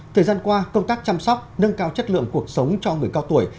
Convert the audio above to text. thời gian qua công tác chăm sóc nâng cao chất lượng cuộc sống cho người cao tuổi